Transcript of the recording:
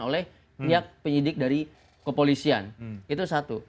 oleh pihak penyidik dari kepolisian itu satu